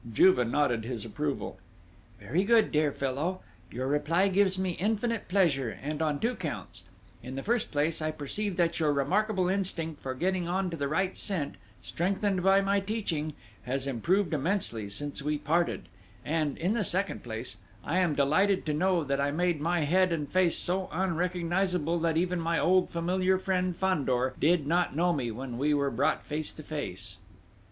Juve nodded his approval. "Very good, dear fellow; your reply gives me infinite pleasure, and on two counts: in the first place, I perceive that your remarkable instinct for getting on to the right scent, strengthened by my teaching, has improved immensely since we parted; and, in the second place, I am delighted to know that I made my head and face so unrecognisable that even my old familiar friend, Fandor, did not know me when we were brought face to face!"